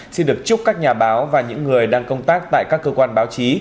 xin được chúc các nhà báo và những người đang công tác tại các cơ quan báo chí